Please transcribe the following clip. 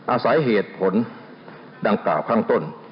อาศัยเหตุผลดังกล่าวข้างต้น